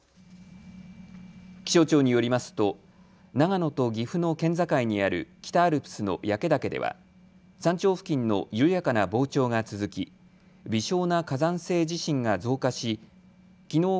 気象庁によりますと長野と岐阜の県境にある北アルプスの焼岳では山頂付近の緩やかな膨張が続き、微少な火山性地震が増加しきのう